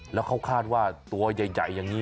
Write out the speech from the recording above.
แล้วเขาคาดว่าตัวใหญ่อย่างนี้